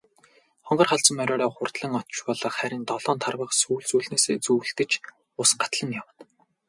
Хонгор халзан мориороо хурдлан очвол харин долоон тарвага сүүл сүүлнээсээ зүүлдэж ус гатлан явна.